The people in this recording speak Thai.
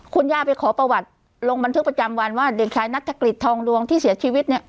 คุณย่าไปขอประวัติลงบันทึกประจำวันว่าเด็กชายนัฐกฤษทองดวงที่เสียชีวิตเนี่ย